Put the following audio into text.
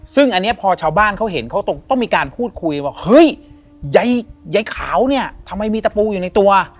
ซึ่งอันนี้พอชาวบ้านเขาเห็นเขาต้องมีการพูดคุยว่าเฮ้ยยายขาวเนี่ยทำไมมีตะปูอยู่ในตัว